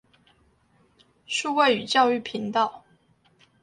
數位與教育頻道